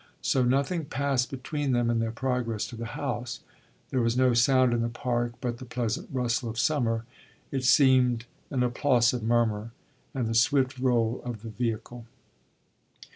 So nothing passed between them in their progress to the house; there was no sound in the park but the pleasant rustle of summer it seemed an applausive murmur and the swift roll of the vehicle.